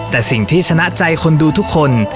แต่สิ่งที่ชนะใจคนดูทุกคน